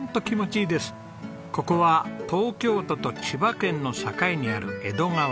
ここは東京都と千葉県の境にある江戸川。